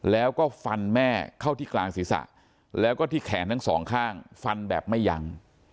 แล้วก็ฟันแม่เข้าที่กลางศีรษะแล้วก็ที่แขนทั้งสองข้างฟันแบบไม่ยั้ง